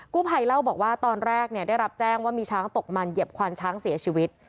ผู้ภัยเล่าบอกว่าตอนแรกเนี่ยได้รับแจ้งว่ามีช้างตกมันเหยียบควันช้างเสียชีวิต